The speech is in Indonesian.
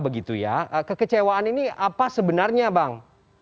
begitu ya kekecewaan ini apa sebenarnya bang